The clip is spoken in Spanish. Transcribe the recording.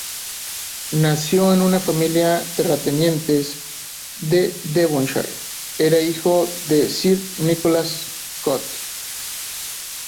Nació en una familia terratenientes de Devonshire, era hijo de Sir Nicholas Coote.